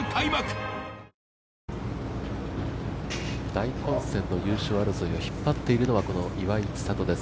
大混戦の優勝争い、引っ張っているのは岩井千怜です。